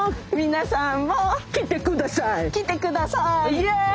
イエイ！